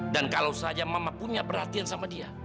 dan kalau saja mama punya perhatian sama dia